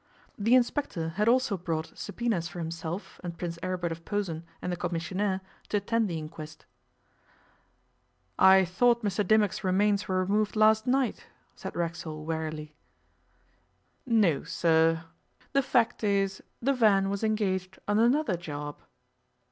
The inspector had also brought subpoenas for himself and Prince Aribert of Posen and the commissionaire to attend the inquest. 'I thought Mr Dimmock's remains were removed last night,' said Racksole wearily. 'No, sir. The fact is the van was engaged on another job.